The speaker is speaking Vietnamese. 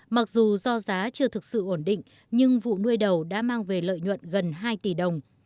mặc dù do giá chưa thực sự ổn định nhưng vụ nuôi đầu đã mang về lợi nhuận gần hai tỷ đồng